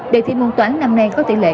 đề thi môn toán năm nay có tỷ lệ